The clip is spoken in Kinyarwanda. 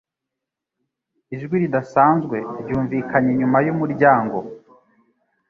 Ijwi ridasanzwe ryumvikanye inyuma yumuryango